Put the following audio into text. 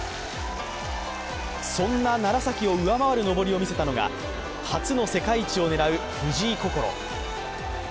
そんな楢崎を上回る登りを見せたのが初の世界一を狙う藤井快。